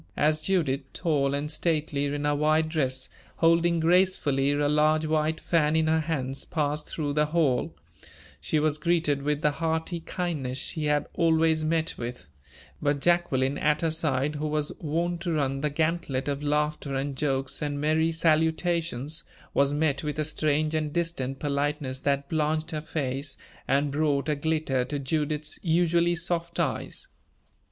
As Judith, tall and stately in her white dress, holding gracefully a large white fan in her hands, passed through the hall, she was greeted with the hearty kindness she had always met with; but Jacqueline at her side, who was wont to run the gantlet of laughter and jokes and merry salutations, was met with a strange and distant politeness that blanched her face, and brought a glitter to Judith's usually soft eyes.